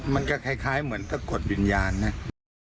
มันก็คล้ายเหมือนสะกดวิญญาณนะ